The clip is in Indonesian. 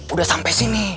udah sampai sini